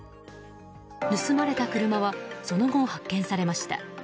盗まれた車はその後、発見されました。